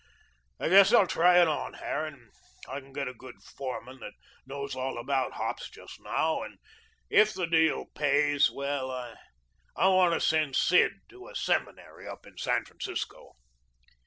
I guess we'll try it on, Harran. I can get a good foreman that knows all about hops just now, and if the deal pays well, I want to send Sid to a seminary up in San Francisco."